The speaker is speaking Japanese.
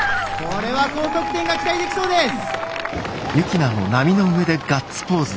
これは高得点が期待できそうです。